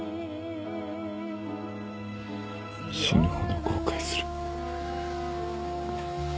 死ぬほど後悔する。